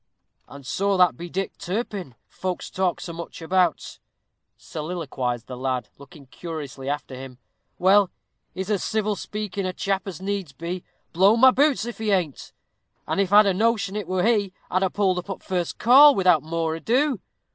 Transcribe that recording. "And so that be Dick Turpin, folks talk so much about," soliloquized the lad, looking curiously after him; "well, he's as civil speaking a chap as need be, blow my boots if he ain't! and if I'd had a notion it were he, I'd have pulled up at first call, without more ado.